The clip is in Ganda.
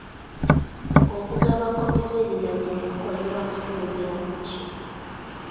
Okugaba kkopi z'ebiragiro kukolebwa kusinziira ku ki?